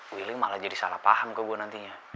willy malah jadi salah paham ke gue nantinya